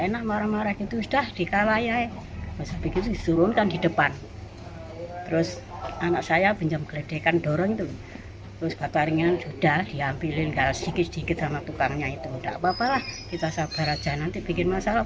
nanti bikin masalah sama kusik